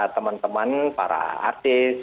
teman teman para artis